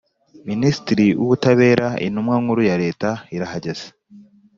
Ministri w Ubutabera Intumwa Nkuru ya Leta irahageze